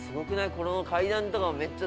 この階段とかもめっちゃ手作り感。